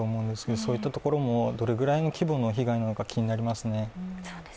そういったところもどれぐらいの規模の被害なのか気になりますね。